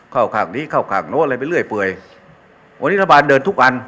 ขากนี้เข้าขากโน้นอะไรไปเรื่อยเปื่อยวันนี้รัฐบาลเดินทุกอัน